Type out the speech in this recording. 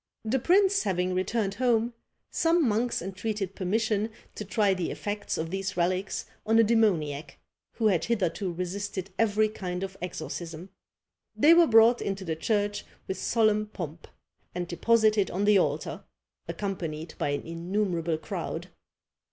The prince having returned home, some monks entreated permission to try the effects of these relics on a demoniac, who had hitherto resisted every kind of exorcism. They were brought into the church with solemn pomp, and deposited on the altar, accompanied by an innumerable crowd.